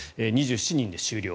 ２７人で終了。